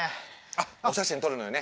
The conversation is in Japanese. あっお写真撮るのよね。